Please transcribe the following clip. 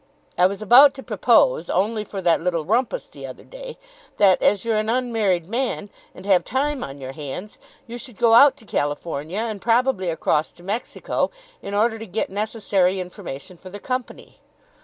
I was about to propose, only for that little rumpus the other day, that, as you're an unmarried man, and have time on your hands, you should go out to California and probably across to Mexico, in order to get necessary information for the Company.